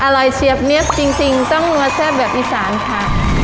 อร่อยเชียบเนี๊ยบจริงต้องรับแท้แบบอีสานค่ะ